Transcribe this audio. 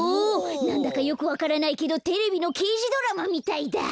なんだかよくわからないけどテレビのけいじドラマみたいだ。